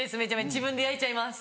自分で焼いちゃいます。